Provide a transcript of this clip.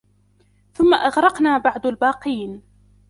ثُمَّ أَغرَقنا بَعدُ الباقينَ